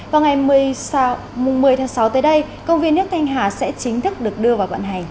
vào ngày một mươi tháng sáu tới đây công viên nước thanh hà sẽ chính thức được đưa vào vận hành